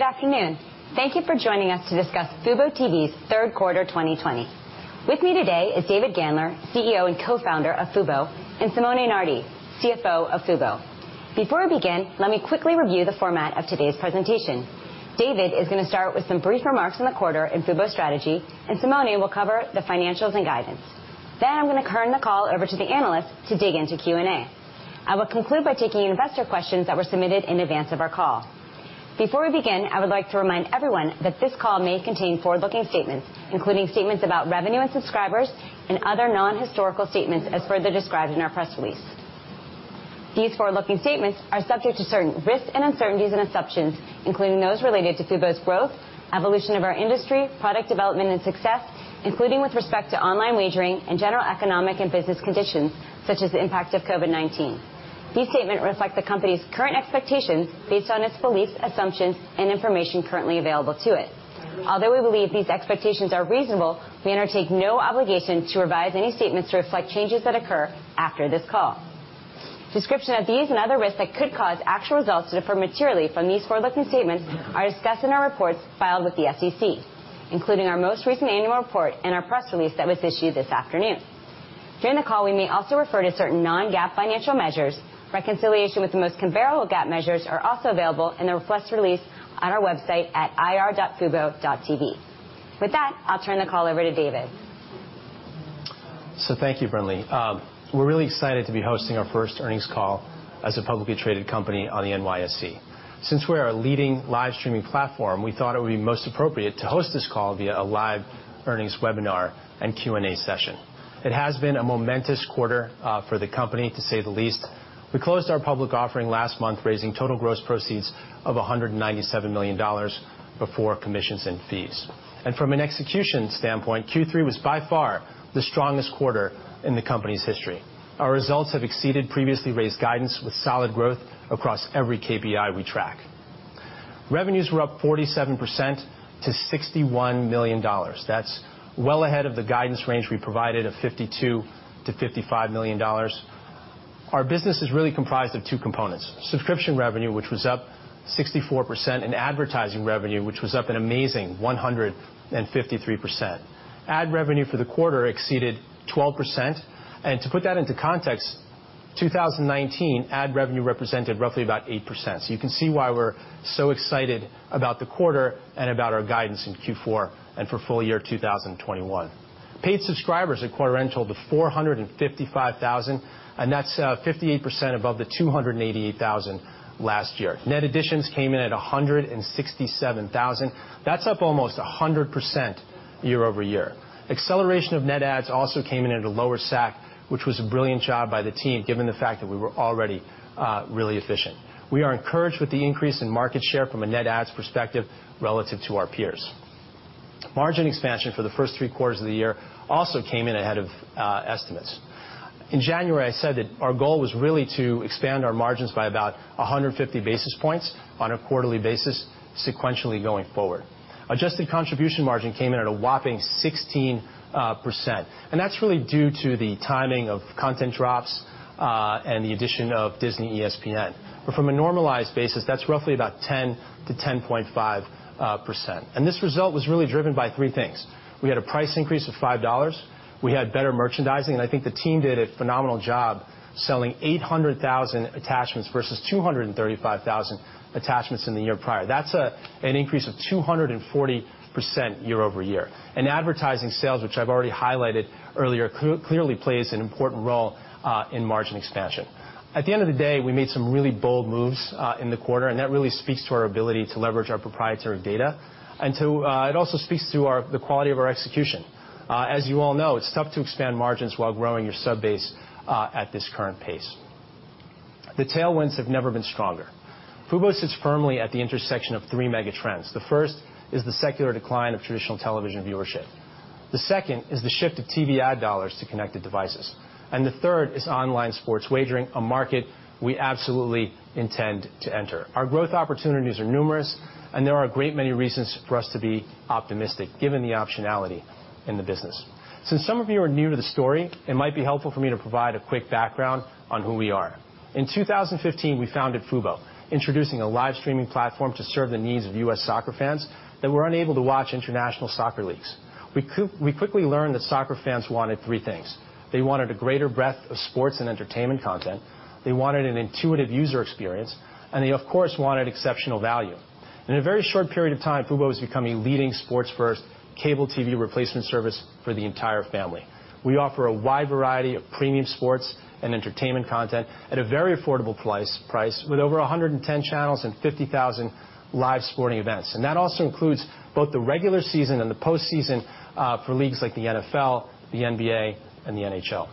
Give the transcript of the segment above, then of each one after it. Two. Good afternoon. Thank you for joining us to discuss fuboTV's third quarter 2020. With me today is David Gandler, CEO and co-founder of Fubo, and Simone Nardi, CFO of Fubo. Before we begin, let me quickly review the format of today's presentation. David is going to start with some brief remarks on the quarter and Fubo strategy. Simone will cover the financials and guidance. I'm going to turn the call over to the analysts to dig into Q&A. I will conclude by taking investor questions that were submitted in advance of our call. Before we begin, I would like to remind everyone that this call may contain forward-looking statements, including statements about revenue and subscribers and other non-historical statements as further described in our press release. These forward-looking statements are subject to certain risks and uncertainties and assumptions, including those related to Fubo's growth, evolution of our industry, product development, and success, including with respect to online wagering and general economic and business conditions, such as the impact of COVID-19. These statements reflect the company's current expectations based on its beliefs, assumptions, and information currently available to it. Although we believe these expectations are reasonable, we undertake no obligation to revise any statements to reflect changes that occur after this call. Description of these and other risks that could cause actual results to differ materially from these forward-looking statements are discussed in our reports filed with the SEC, including our most recent annual report and our press release that was issued this afternoon. During the call, we may also refer to certain non-GAAP financial measures. Reconciliation with the most comparable GAAP measures are also available in the press release on our website at ir.fubo.tv. With that, I'll turn the call over to David. Thank you, Brinlea. We're really excited to be hosting our first earnings call as a publicly traded company on the NYSE. Since we are a leading live streaming platform, we thought it would be most appropriate to host this call via a live earnings webinar and Q&A session. It has been a momentous quarter for the company to say the least. We closed our public offering last month, raising total gross proceeds of $197 million before commissions and fees. From an execution standpoint, Q3 was by far the strongest quarter in the company's history. Our results have exceeded previously raised guidance with solid growth across every KPI we track. Revenues were up 47% to $61 million. That's well ahead of the guidance range we provided of $52 million-$55 million. Our business is really comprised of two components, subscription revenue, which was up 64%, and advertising revenue, which was up an amazing 153%. Ad revenue for the quarter exceeded 12%. To put that into context, 2019 ad revenue represented roughly about 8%. You can see why we're so excited about the quarter and about our guidance in Q4 and for full year 2021. Paid subscribers at quarter-end totaled 455,000, and that's 58% above the 288,000 last year. Net additions came in at 167,000. That's up almost 100% year-over-year. Acceleration of net adds also came in at a lower SAC, which was a brilliant job by the team given the fact that we were already really efficient. We are encouraged with the increase in market share from a net adds perspective relative to our peers. Margin expansion for the first three quarters of the year also came in ahead of estimates. In January, I said that our goal was really to expand our margins by about 150 basis points on a quarterly basis sequentially going forward. Adjusted contribution margin came in at a whopping 16%, and that's really due to the timing of content drops, and the addition of Disney ESPN. From a normalized basis, that's roughly about 10%-10.5%. This result was really driven by three things. We had a price increase of $5. We had better merchandising, and I think the team did a phenomenal job selling 800,000 attachments versus 235,000 attachments in the year prior. That's an increase of 240% year-over-year. Advertising sales, which I've already highlighted earlier, clearly plays an important role in margin expansion. At the end of the day, we made some really bold moves in the quarter, and that really speaks to our ability to leverage our proprietary data and it also speaks to the quality of our execution. As you all know, it's tough to expand margins while growing your sub-base at this current pace. The tailwinds have never been stronger. Fubo sits firmly at the intersection of three mega trends. The first is the secular decline of traditional television viewership. The second is the shift of TV ad dollars to connected devices. The third is online sports wagering, a market we absolutely intend to enter. Our growth opportunities are numerous, and there are a great many reasons for us to be optimistic given the optionality in the business. Since some of you are new to the story, it might be helpful for me to provide a quick background on who we are. In 2015, we founded Fubo, introducing a live streaming platform to serve the needs of U.S. soccer fans that were unable to watch international soccer leagues. We quickly learned that soccer fans wanted three things. They wanted a greater breadth of sports and entertainment content. They wanted an intuitive user experience. They, of course, wanted exceptional value. In a very short period of time, Fubo has become a leading sports-first cable TV replacement service for the entire family. We offer a wide variety of premium sports and entertainment content at a very affordable price with over 110 channels and 50,000 live sporting events. That also includes both the regular season and the postseason, for leagues like the NFL, the NBA, and the NHL.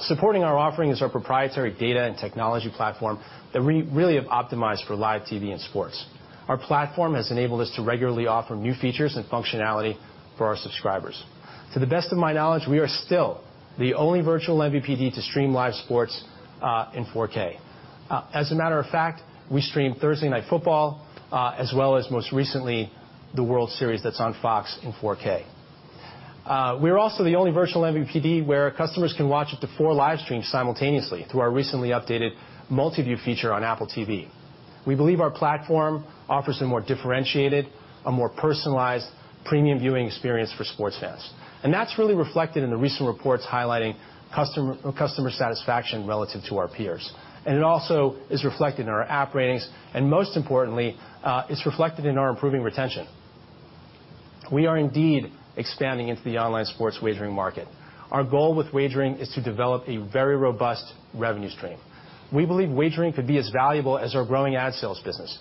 Supporting our offering is our proprietary data and technology platform that we really have optimized for live TV and sports. Our platform has enabled us to regularly offer new features and functionality for our subscribers. To the best of my knowledge, we are still the only virtual MVPD to stream live sports in 4K. As a matter of fact, we stream Thursday Night Football, as well as most recently, the World Series that's on Fox in 4K. We're also the only virtual MVPD where customers can watch up to four live streams simultaneously through our recently updated Multiview feature on Apple TV. We believe our platform offers a more differentiated, a more personalized premium viewing experience for sports fans. That's really reflected in the recent reports highlighting customer satisfaction relative to our peers. It also is reflected in our app ratings, and most importantly, it's reflected in our improving retention. We are indeed expanding into the online sports wagering market. Our goal with wagering is to develop a very robust revenue stream. We believe wagering could be as valuable as our growing ad sales business.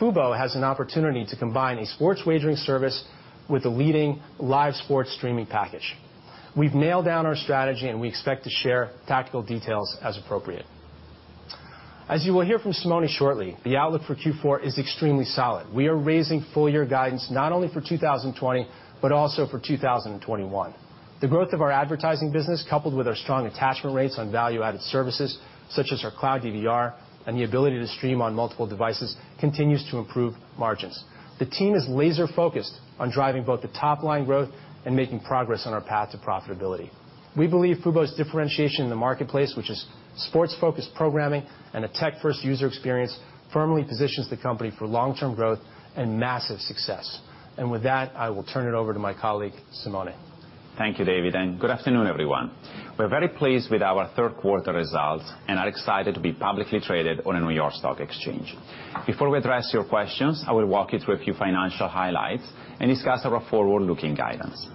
Fubo has an opportunity to combine a sports wagering service with a leading live sports streaming package. We've nailed down our strategy, and we expect to share tactical details as appropriate. As you will hear from Simone shortly, the outlook for Q4 is extremely solid. We are raising full-year guidance not only for 2020, but also for 2021. The growth of our advertising business, coupled with our strong attachment rates on value-added services such as our cloud DVR and the ability to stream on multiple devices, continues to improve margins. The team is laser-focused on driving both the top-line growth and making progress on our path to profitability. We believe Fubo's differentiation in the marketplace, which is sports-focused programming and a tech-first user experience, firmly positions the company for long-term growth and massive success. With that, I will turn it over to my colleague, Simone. Thank you, David. Good afternoon, everyone. We're very pleased with our third quarter results and are excited to be publicly traded on a New York Stock Exchange. Before we address your questions, I will walk you through a few financial highlights and discuss our forward-looking guidance.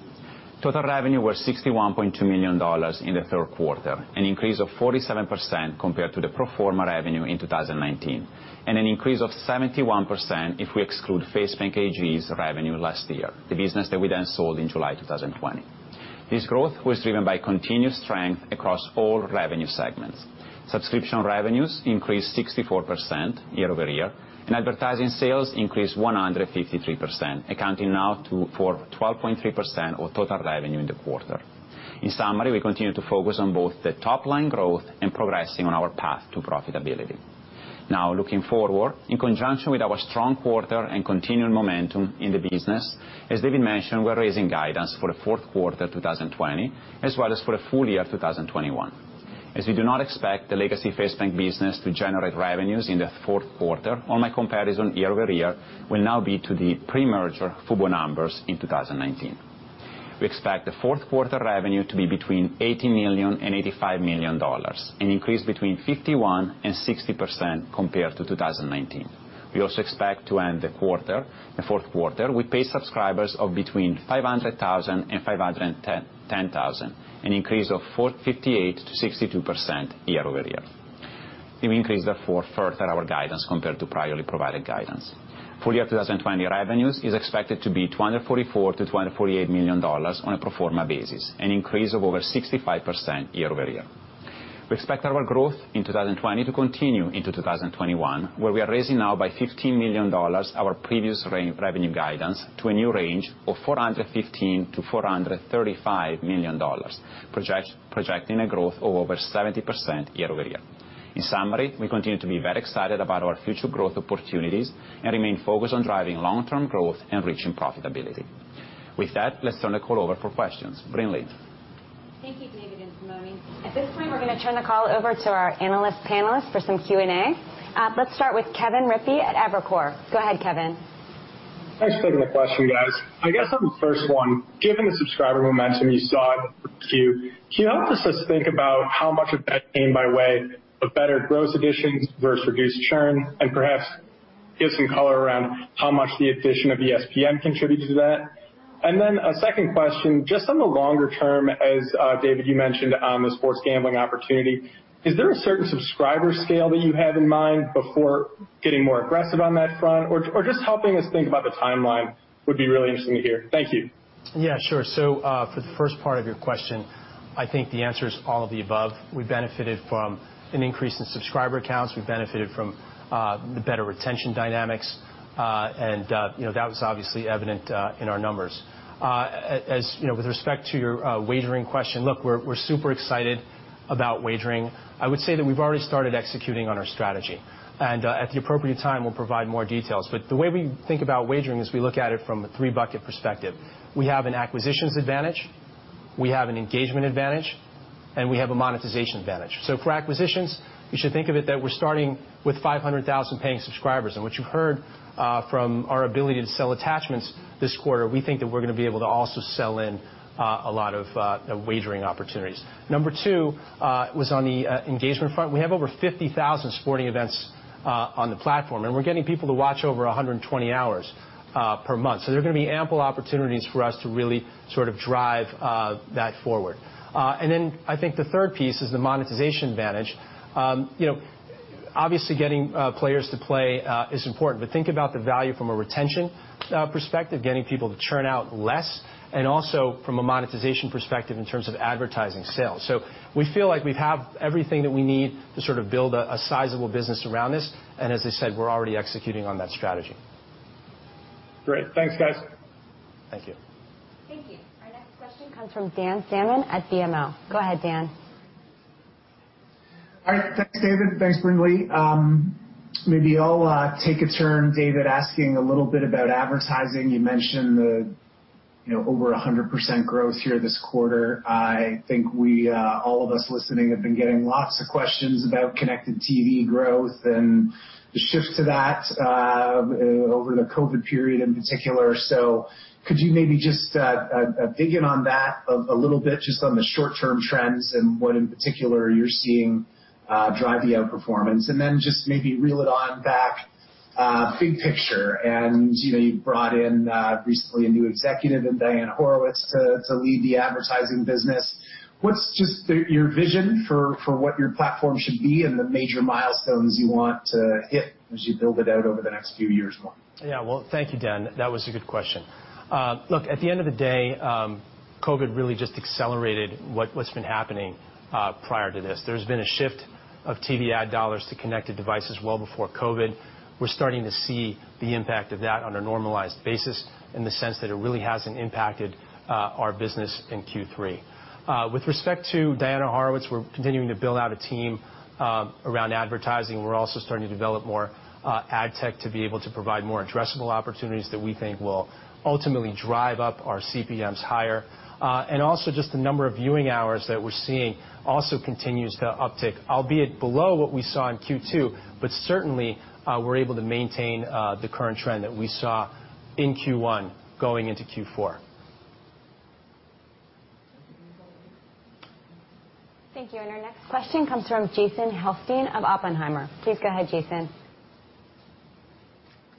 Total revenue was $61.2 million in the third quarter, an increase of 47% compared to the pro forma revenue in 2019, and an increase of 71% if we exclude Facebank AG's revenue last year, the business that we then sold in July 2020. This growth was driven by continuous strength across all revenue segments. Subscription revenues increased 64% year-over-year, and advertising sales increased 153%, accounting now for 12.3% of total revenue in the quarter. In summary, we continue to focus on both the top-line growth and progressing on our path to profitability. Looking forward, in conjunction with our strong quarter and continuing momentum in the business, as David mentioned, we're raising guidance for the fourth quarter 2020, as well as for the full year 2021. We do not expect the legacy Facebank business to generate revenues in the fourth quarter, all my comparison year-over-year will now be to the pre-merger Fubo numbers in 2019. We expect the fourth quarter revenue to be between $80 million and $85 million, an increase between 51% and 60% compared to 2019. We also expect to end the fourth quarter with paid subscribers of between 500,000 and 510,000, an increase of 58% to 62% year-over-year. We've increased therefore further our guidance compared to prior provided guidance. Full year 2020 revenues is expected to be $244 million-$248 million on a pro forma basis, an increase of over 65% year-over-year. We expect our growth in 2020 to continue into 2021, where we are raising now by $15 million our previous revenue guidance to a new range of $415 million-$435 million, projecting a growth of over 70% year-over-year. In summary, we continue to be very excited about our future growth opportunities and remain focused on driving long-term growth and reaching profitability. With that, let's turn the call over for questions. Brinlea. Thank you, David and Simone. At this point, we're going to turn the call over to our analyst panelists for some Q&A. Let's start with Kevin Rippey at Evercore. Go ahead, Kevin. Thanks for taking the question, guys. I guess on the first one, given the subscriber momentum you saw in Q, can you help us just think about how much of that came by way of better gross additions versus reduced churn? Perhaps give some color around how much the addition of ESPN contributed to that. A second question, just on the longer term, as David, you mentioned on the sports gambling opportunity, is there a certain subscriber scale that you have in mind before getting more aggressive on that front? Just helping us think about the timeline would be really interesting to hear. Thank you. Yeah, sure. For the first part of your question, I think the answer is all of the above. We benefited from an increase in subscriber counts. We benefited from the better retention dynamics. That was obviously evident in our numbers. With respect to your wagering question, look, we're super excited about wagering. I would say that we've already started executing on our strategy. At the appropriate time, we'll provide more details. The way we think about wagering is we look at it from a three-bucket perspective. We have an acquisitions advantage, we have an engagement advantage, and we have a monetization advantage. For acquisitions, you should think of it that we're starting with 500,000 paying subscribers. What you've heard from our ability to sell attachments this quarter, we think that we're going to be able to also sell in a lot of wagering opportunities. Number two was on the engagement front. We have over 50,000 sporting events on the platform, and we're getting people to watch over 120 hours per month. There are going to be ample opportunities for us to really sort of drive that forward. I think the third piece is the monetization advantage. Obviously, getting players to play is important, but think about the value from a retention perspective, getting people to churn out less, and also from a monetization perspective in terms of advertising sales. We feel like we have everything that we need to sort of build a sizable business around this. As I said, we're already executing on that strategy. Great. Thanks, guys. Thank you. Thank you. Our next question comes from Dan Salmon at BMO. Go ahead, Dan. All right. Thanks, David. Thanks, Brinlea. Maybe I'll take a turn, David, asking a little bit about advertising. You mentioned the over 100% growth here this quarter. I think all of us listening have been getting lots of questions about connected TV growth and the shift to that over the COVID period in particular. Could you maybe just dig in on that a little bit, just on the short-term trends and what in particular you're seeing drive the outperformance? Then just maybe reel it on back big picture. You brought in recently a new executive in Diana Horowitz to lead the advertising business. What's just your vision for what your platform should be and the major milestones you want to hit as you build it out over the next few years more? Yeah. Well, thank you, Dan. That was a good question. Look, at the end of the day, COVID really just accelerated what's been happening prior to this. There's been a shift of TV ad dollars to connected devices well before COVID. We're starting to see the impact of that on a normalized basis in the sense that it really hasn't impacted our business in Q3. With respect to Diana Horowitz, we're continuing to build out a team around advertising. We're also starting to develop more ad tech to be able to provide more addressable opportunities that we think will ultimately drive up our CPMs higher. Also just the number of viewing hours that we're seeing also continues to uptick, albeit below what we saw in Q2. Certainly, we're able to maintain the current trend that we saw in Q1 going into Q4. Thank you. Our next question comes from Jason Helfstein of Oppenheimer. Please go ahead, Jason.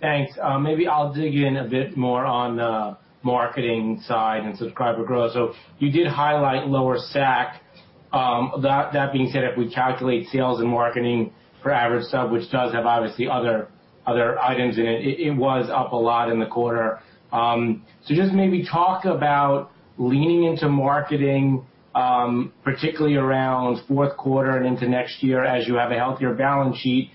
Thanks. Maybe I'll dig in a bit more on the marketing side and subscriber growth. You did highlight lower SAC. That being said, if we calculate sales and marketing for average sub, which does have obviously other items in it was up a lot in the quarter. Just maybe talk about leaning into marketing, particularly around fourth quarter and into next year as you have a healthier balance sheet.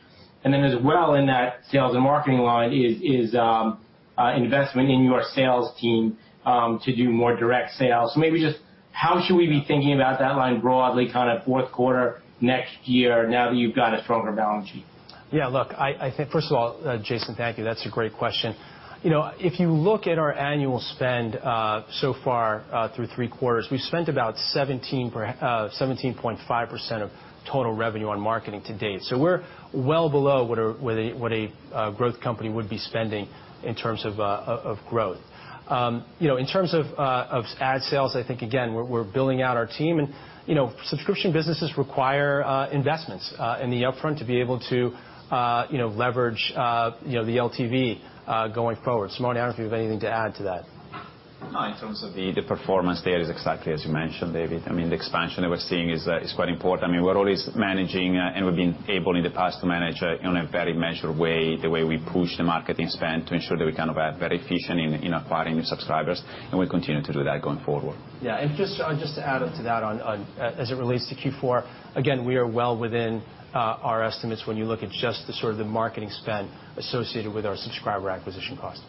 Then as well in that sales and marketing line is investment in your sales team to do more direct sales. Maybe just how should we be thinking about that line broadly kind of fourth quarter next year now that you've got a stronger balance sheet? Look, I think first of all, Jason, thank you. That's a great question. If you look at our annual spend so far through three quarters, we've spent about 17.5% of total revenue on marketing to date. We're well below what a growth company would be spending in terms of growth. In terms of ad sales, I think again, we're building out our team and subscription businesses require investments in the upfront to be able to leverage the LTV going forward. Simone, I don't know if you have anything to add to that. No, in terms of the performance there is exactly as you mentioned, David. The expansion that we're seeing is quite important. We're always managing and we've been able in the past to manage in a very measured way, the way we push the marketing spend to ensure that we're very efficient in acquiring new subscribers, and we'll continue to do that going forward. Yeah. Just to add to that as it relates to Q4, again, we are well within our estimates when you look at just the sort of the marketing spend associated with our subscriber acquisition cost.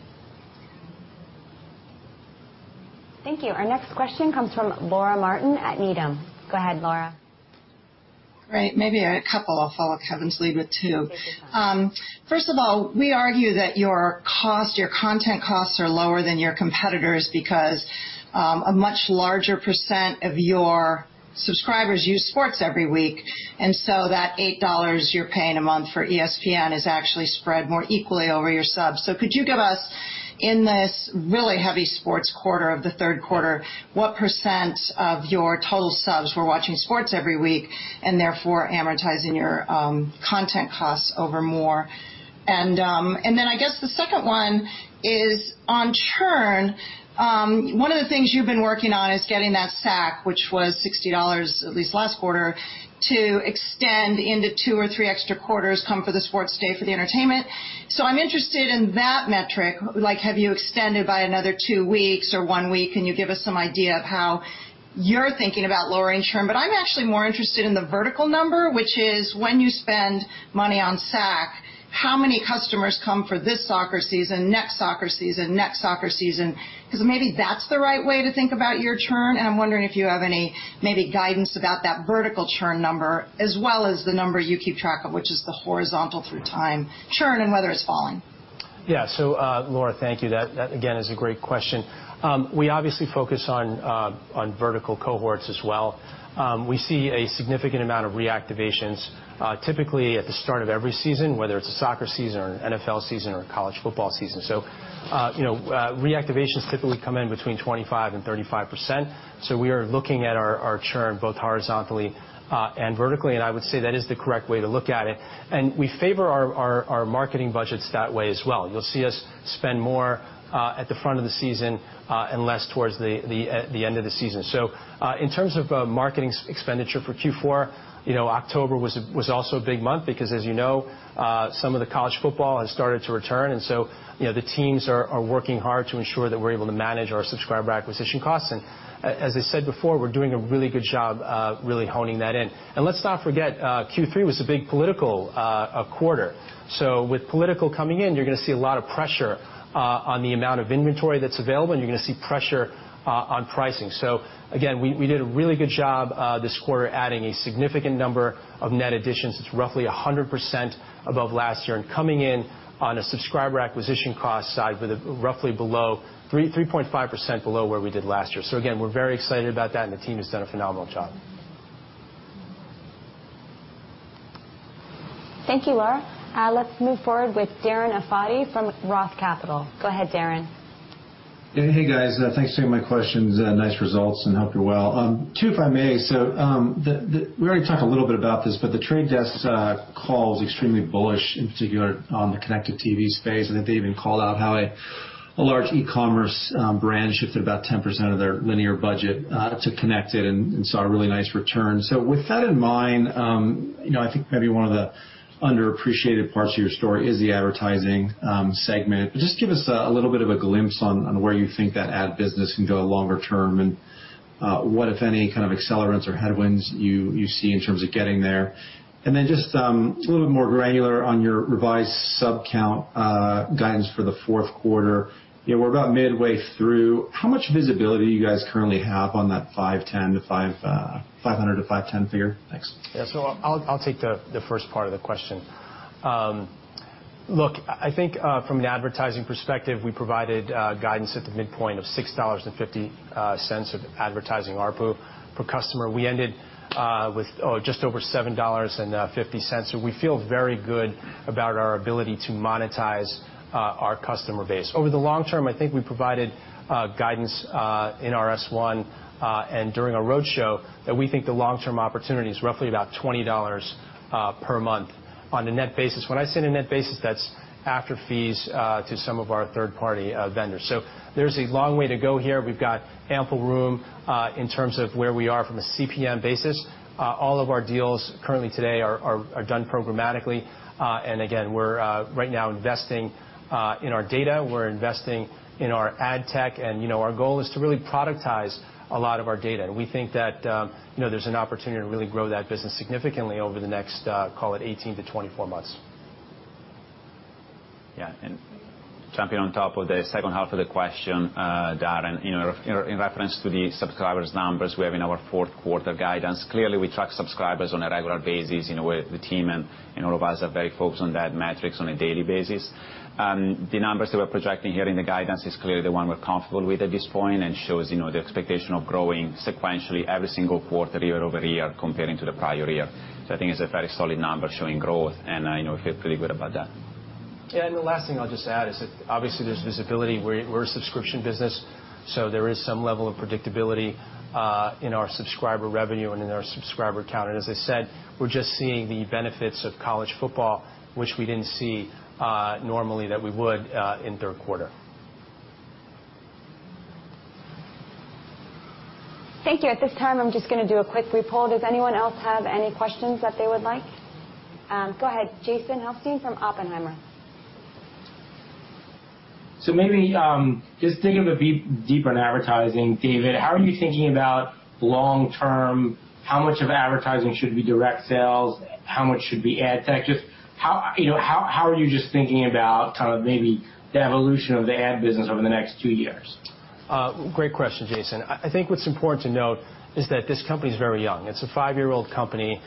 Thank you. Our next question comes from Laura Martin at Needham. Go ahead, Laura. Great. Maybe a couple of follow-ups. I have them to lead with two. We argue that your content costs are lower than your competitors because a much larger percent of your subscribers use sports every week. That $8 you're paying a month for ESPN is actually spread more equally over your subs. Could you give us in this really heavy sports quarter of the third quarter, what percent of your total subs were watching sports every week and therefore amortizing your content costs over more? I guess the second one is on churn. One of the things you've been working on is getting that SAC, which was $60 at least last quarter, to extend into two or three extra quarters, come for the sports, stay for the entertainment. I'm interested in that metric, like have you extended by another two weeks or one week? Can you give us some idea of how you're thinking about lowering churn? I'm actually more interested in the vertical number, which is when you spend money on SAC, how many customers come for this soccer season, next soccer season, next soccer season? Maybe that's the right way to think about your churn, and I'm wondering if you have any maybe guidance about that vertical churn number as well as the number you keep track of, which is the horizontal through time churn and whether it's falling. Yeah. Laura, thank you. That, again, is a great question. We obviously focus on vertical cohorts as well. We see a significant amount of reactivations typically at the start of every season, whether it's a soccer season or an NFL season or a college football season. Reactivations typically come in between 25% and 35%. We are looking at our churn both horizontally and vertically, and I would say that is the correct way to look at it. We favor our marketing budgets that way as well. You'll see us spend more at the front of the season and less towards the end of the season. In terms of marketing expenditure for Q4, October was also a big month because as you know, some of the college football has started to return. The teams are working hard to ensure that we're able to manage our subscriber acquisition costs. As I said before, we're doing a really good job really honing that in. Let's not forget Q3 was a big political quarter. With political coming in, you're going to see a lot of pressure on the amount of inventory that's available, and you're going to see pressure on pricing. Again, we did a really good job this quarter adding a significant number of net additions. It's roughly 100% above last year and coming in on a subscriber acquisition cost side with roughly 3.5% below where we did last year. Again, we're very excited about that and the team has done a phenomenal job. Thank you, Laura. Let's move forward with Darren Aftahi from Roth Capital. Go ahead, Darren. Hey, guys. Thanks for taking my questions. Nice results and hope you're well. Two, if I may. We already talked a little bit about this, but The Trade Desk call is extremely bullish, in particular on the connected TV space. I think they even called out how a large e-commerce brand shifted about 10% of their linear budget to connected and saw a really nice return. With that in mind, I think maybe one of the underappreciated parts of your story is the advertising segment. Just give us a little bit of a glimpse on where you think that ad business can go longer term, and what, if any, kind of accelerants or headwinds you see in terms of getting there. Just a little bit more granular on your revised sub count guidance for the fourth quarter. We're about midway through. How much visibility do you guys currently have on that 500-510 figure? Thanks. Yeah. I'll take the first part of the question. Look, I think from an advertising perspective, we provided guidance at the midpoint of $6.50 of advertising ARPU per customer. We ended with just over $7.50. We feel very good about our ability to monetize our customer base. Over the long term, I think we provided guidance in our S1, and during our roadshow, that we think the long-term opportunity is roughly about $20 per month on a net basis. When I say on a net basis, that's after fees to some of our third-party vendors. There's a long way to go here. We've got ample room in terms of where we are from a CPM basis. All of our deals currently today are done programmatically. Again, we're right now investing in our data. We're investing in our ad tech, and our goal is to really productize a lot of our data. We think that there's an opportunity to really grow that business significantly over the next, call it 18-24 months. Yeah. Jumping on top of the second half of the question, Darren, in reference to the subscribers numbers we have in our fourth quarter guidance, clearly we track subscribers on a regular basis. The team and all of us are very focused on that metrics on a daily basis. The numbers that we're projecting here in the guidance is clearly the one we're comfortable with at this point and shows the expectation of growing sequentially every single quarter year-over-year, comparing to the prior year. I think it's a very solid number showing growth, and I know we feel pretty good about that. Yeah, the last thing I'll just add is that obviously there's visibility. We're a subscription business, there is some level of predictability in our subscriber revenue and in our subscriber count. As I said, we're just seeing the benefits of college football, which we didn't see normally that we would in third quarter. Thank you. At this time, I'm just going to do a quick recap. Does anyone else have any questions that they would like? Go ahead, Jason Helfstein from Oppenheimer. Maybe just digging a bit deeper in advertising, David, how are you thinking about long term, how much of advertising should be direct sales? How much should be ad tech? Just how are you just thinking about kind of maybe the evolution of the ad business over the next two years? Great question, Jason. I think what's important to note is that this company is very young. It's a five-year-old company.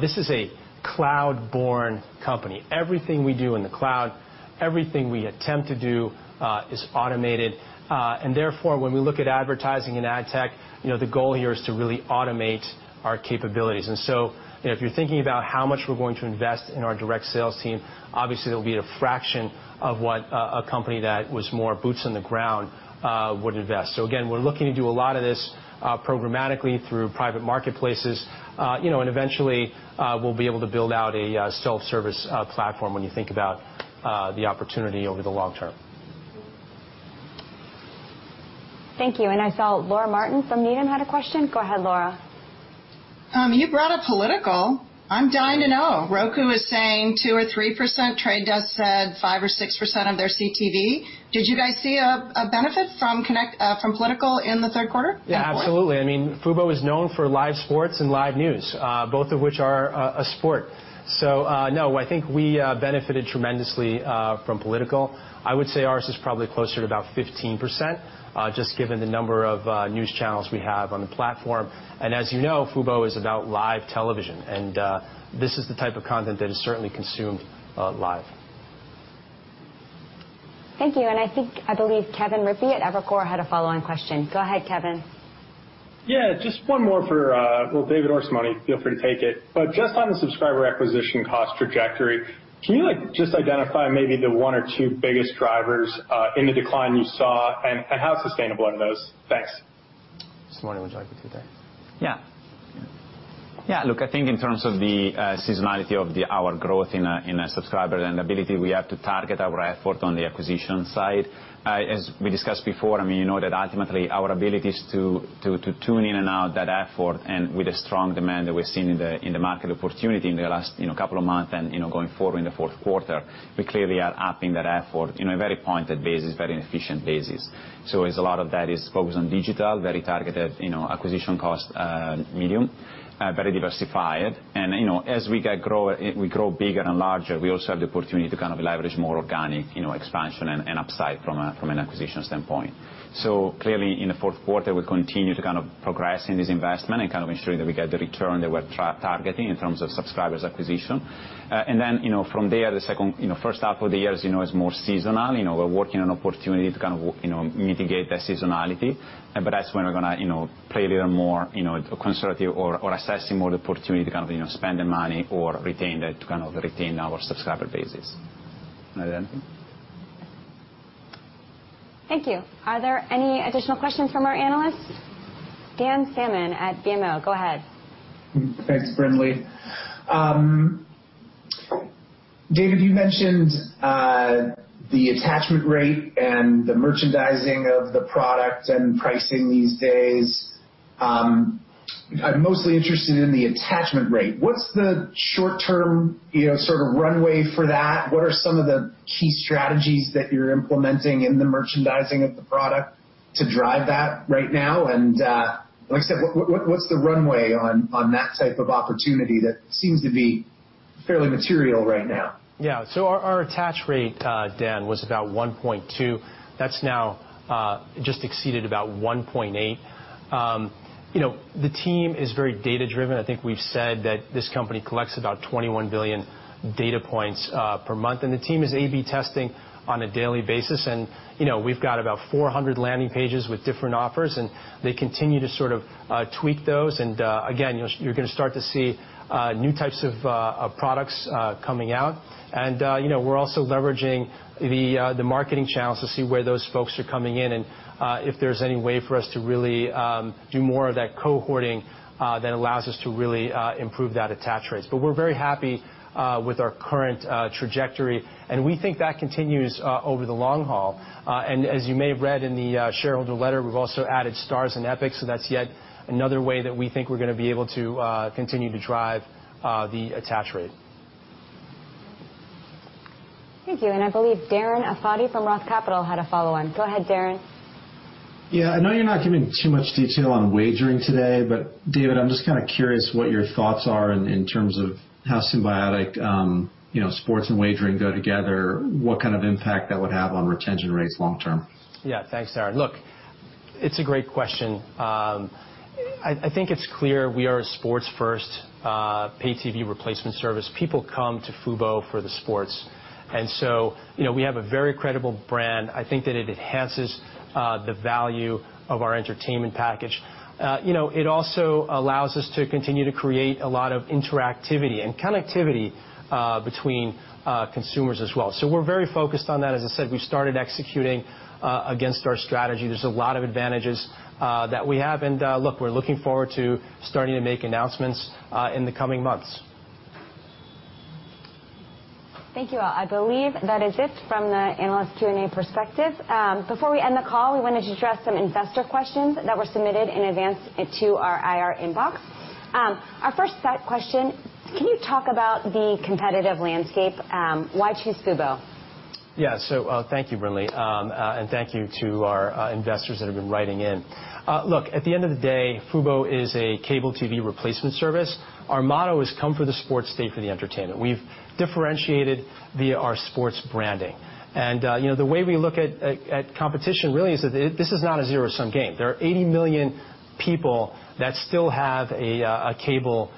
This is a cloud-born company. Everything we do in the cloud, everything we attempt to do is automated. When we look at advertising and ad tech, the goal here is to really automate our capabilities. If you're thinking about how much we're going to invest in our direct sales team, obviously it'll be a fraction of what a company that was more boots on the ground would invest. Again, we're looking to do a lot of this programmatically through private marketplaces, and eventually we'll be able to build out a self-service platform when you think about the opportunity over the long term. Thank you. I saw Laura Martin from Needham had a question. Go ahead, Laura. You brought up political. I'm dying to know. Roku is saying 2% or 3%. The Trade Desk said 5% or 6% of their CTV. Did you guys see a benefit from political in the third quarter? Yeah, absolutely. Fubo is known for live sports and live news, both of which are a sport. No, I think we benefited tremendously from political. I would say ours is probably closer to about 15%, just given the number of news channels we have on the platform. As you know, Fubo is about live television, and this is the type of content that is certainly consumed live. Thank you. I think I believe Kevin Rippey at Evercore had a follow-on question. Go ahead, Kevin. Yeah, just one more for, well, David or Simone. Feel free to take it. Just on the subscriber acquisition cost trajectory, can you like just identify maybe the one or two biggest drivers in the decline you saw and how sustainable are those? Thanks. Simone, would you like to take that? Yeah. Look, I think in terms of the seasonality of our growth in subscriber and ability, we have to target our effort on the acquisition side. As we discussed before, you know that ultimately our ability is to tune in and out that effort and with the strong demand that we're seeing in the market opportunity in the last couple of months and going forward in the fourth quarter, we clearly are upping that effort in a very pointed basis, very efficient basis. As a lot of that is focused on digital, very targeted acquisition cost medium, very diversified. As we grow bigger and larger, we also have the opportunity to kind of leverage more organic expansion and upside from an acquisition standpoint. Clearly in the fourth quarter, we continue to progress in this investment and ensuring that we get the return that we're targeting in terms of subscribers acquisition. From there, the first half of the year is more seasonal. We're working on opportunity to mitigate that seasonality. That's when we're going to play a little more conservative or assessing more the opportunity to spend the money or retain that to retain our subscriber bases. You have anything? Thank you. Are there any additional questions from our analysts? Dan Salmon at BMO, go ahead. Thanks, Brinlea. David, you mentioned the attachment rate and the merchandising of the product and pricing these days. I'm mostly interested in the attachment rate. What's the short-term sort of runway for that? What are some of the key strategies that you're implementing in the merchandising of the product to drive that right now? Like I said, what's the runway on that type of opportunity that seems to be fairly material right now? Yeah. Our attach rate, Dan, was about 1.2. That's now just exceeded about 1.8. The team is very data-driven. I think we've said that this company collects about 21 billion data points per month, and the team is A/B testing on a daily basis, and we've got about 400 landing pages with different offers, and they continue to sort of tweak those and, again, you're going to start to see new types of products coming out. We're also leveraging the marketing channels to see where those folks are coming in and if there's any way for us to really do more of that cohorting that allows us to really improve that attach rates. We're very happy with our current trajectory, and we think that continues over the long haul. As you may have read in the shareholder letter, we've also added Starz and EPIX, so that's yet another way that we think we're going to be able to continue to drive the attach rate. Thank you. I believe Darren Aftahi from Roth Capital had a follow-on. Go ahead, Darren. Yeah, I know you're not giving too much detail on wagering today, but David, I'm just kind of curious what your thoughts are in terms of how symbiotic sports and wagering go together, what kind of impact that would have on retention rates long term. Yeah. Thanks, Darren. Look, it's a great question. I think it's clear we are a sports-first pay TV replacement service. People come to Fubo for the sports. We have a very credible brand. I think that it enhances the value of our entertainment package. It also allows us to continue to create a lot of interactivity and connectivity between consumers as well. We're very focused on that. As I said, we've started executing against our strategy. There's a lot of advantages that we have. Look, we're looking forward to starting to make announcements in the coming months. Thank you all. I believe that is it from the analyst Q&A perspective. Before we end the call, we wanted to address some investor questions that were submitted in advance to our IR inbox. Our first set question, can you talk about the competitive landscape? Why choose Fubo? Yeah. Thank you, Brinlea, and thank you to our investors that have been writing in. Look, at the end of the day, Fubo is a cable TV replacement service. Our motto is, "Come for the sports, stay for the entertainment." We've differentiated via our sports branding. The way we look at competition really is that this is not a zero-sum game. There are 80 million people that still have a cable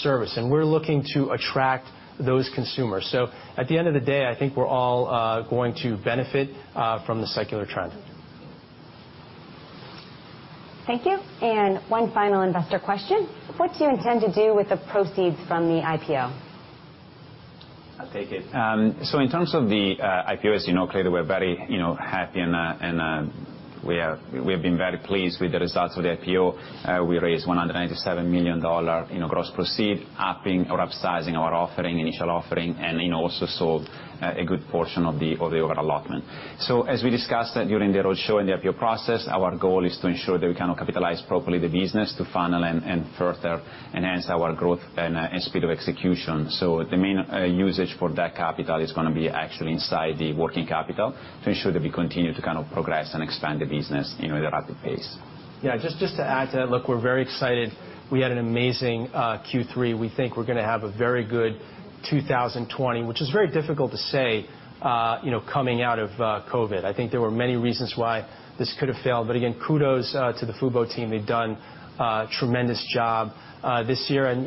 service, and we're looking to attract those consumers. At the end of the day, I think we're all going to benefit from the secular trend. Thank you. One final investor question. What do you intend to do with the proceeds from the IPO? I'll take it. In terms of the IPO, as you know, clearly, we're very happy and we have been very pleased with the results of the IPO. We raised $197 million in gross proceeds, upping or upsizing our initial offering, and also sold a good portion of the overall allotment. As we discussed during the roadshow and the IPO process, our goal is to ensure that we kind of capitalize properly the business to funnel and further enhance our growth and speed of execution. The main usage for that capital is going to be actually inside the working capital to ensure that we continue to kind of progress and expand the business at a rapid pace. Yeah, just to add to that, look, we're very excited. We had an amazing Q3. We think we're going to have a very good 2020, which is very difficult to say coming out of COVID. I think there were many reasons why this could have failed, but again, kudos to the Fubo team. They've done a tremendous job this year, and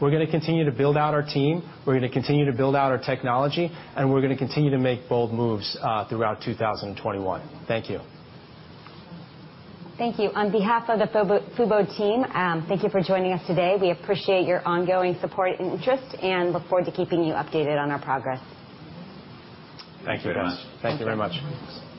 we're going to continue to build out our team, we're going to continue to build out our technology, and we're going to continue to make bold moves throughout 2021. Thank you. Thank you. On behalf of the Fubo team, thank you for joining us today. We appreciate your ongoing support and interest and look forward to keeping you updated on our progress. Thank you. Thank you very much.